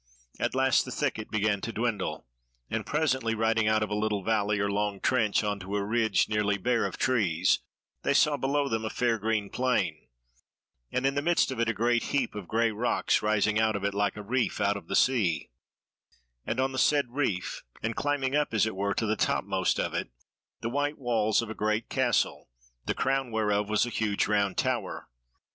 At last the thicket began to dwindle, and presently riding out of a little valley or long trench on to a ridge nearly bare of trees, they saw below them a fair green plain, and in the midst of it a great heap of grey rocks rising out of it like a reef out of the sea, and on the said reef, and climbing up as it were to the topmost of it, the white walls of a great castle, the crown whereof was a huge round tower.